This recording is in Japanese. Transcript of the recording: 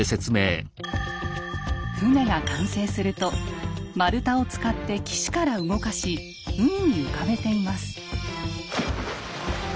船が完成すると丸太を使って岸から動かし海に浮かべています。